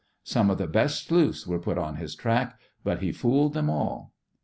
Some of the best sleuths were put on his track, but he fooled them all.